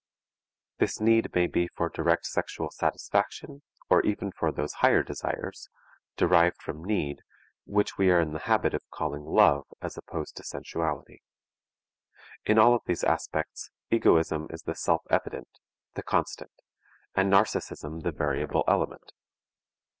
This need may be for direct sexual satisfaction or even for those higher desires, derived from need, which we are in the habit of calling love as opposed to sensuality. In all of these aspects, egoism is the self evident, the constant, and narcism the variable element.